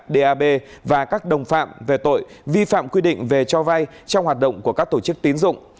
dab và các đồng phạm về tội vi phạm quy định về cho vay trong hoạt động của các tổ chức tín dụng